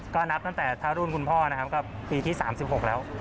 ก็นับตั้งแต่ถ้ารุ่นคุณพ่อนะครับก็ปีที่๓๖แล้ว